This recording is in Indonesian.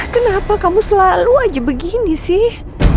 kenapa kamu selalu aja begini sih